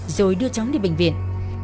rồi đưa chóng đi bệnh viện